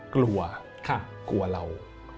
กลัวกลัวเรา